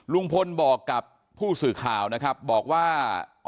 ลุงพลบอกกับผู้สื่อข่าวนะครับบอกว่า